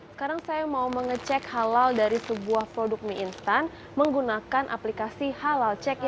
sekarang saya mau mengecek halal dari sebuah produk mie instan menggunakan aplikasi halal cek